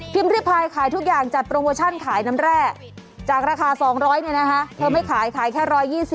พิพายขายทุกอย่างจัดโปรโมชั่นขายน้ำแร่จากราคา๒๐๐เนี่ยนะคะเธอไม่ขายขายแค่๑๒๐